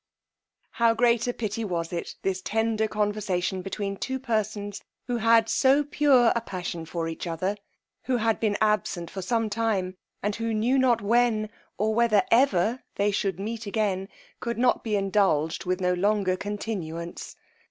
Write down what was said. How great a pity was it this tender conversation between two persons who had so pure a passion for each other, who had been absent for some time, and who knew not when, or whether ever they should meet again, could not be indulged with no longer continuance!